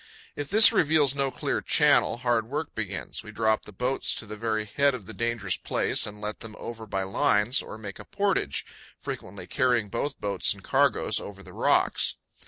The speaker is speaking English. If this reveals no clear channel, hard work begins. We drop the boats to the very head of the dangerous place and let them over by lines or make a portage, frequently carrying both boats and cargoes over the rocks.